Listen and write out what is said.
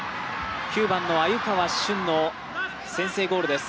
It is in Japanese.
９番の鮎川峻の先制ゴールです。